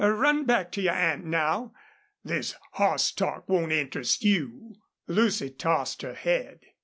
Run back to your aunt now. This hoss talk won't interest you." Lucy tossed her head.